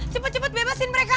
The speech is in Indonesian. cepet cepet bebasin mereka